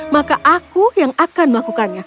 maka aku yang akan melakukannya